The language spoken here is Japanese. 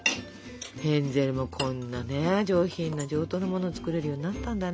ヘンゼルもこんなね上品な上等なもの作れるようになったんだね。